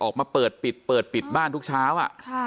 ออกมาเปิดปิดเปิดปิดบ้านทุกเช้า